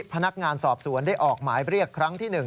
พนักงานสอบสวนได้ออกหมายเรียกครั้งที่๑